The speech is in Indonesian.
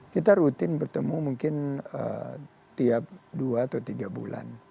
kita rutin bertemu mungkin tiap dua atau tiga bulan